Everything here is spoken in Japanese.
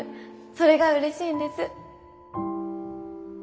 それがうれしいんです。